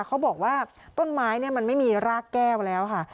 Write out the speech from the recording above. เขาบอกว่าต้นไม้มันไม่มีรากแก้วแล้วค่ะ